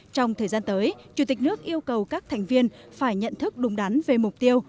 trong thời gian tới chủ tịch nước yêu cầu các thành viên phải nhận thức đúng đắn về mục tiêu